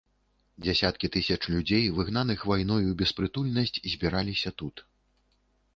Дзесяткі тысяч людзей, выгнаных вайной у беспрытульнасць, збіраліся тут.